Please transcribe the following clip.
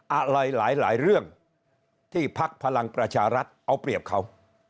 อะไรหลายเรื่องที่พักพลังประชารัฐเอาเปรียบเขา